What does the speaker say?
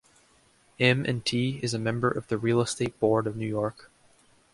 M and T is a member of the Real Estate Board of New York.